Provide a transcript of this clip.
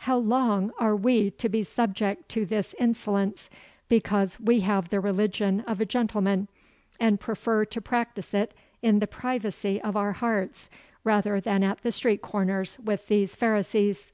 'How long are we to be subject to this insolence because we have the religion of a gentleman, and prefer to practise it in the privacy of our hearts rather than at the street corners with these pharisees?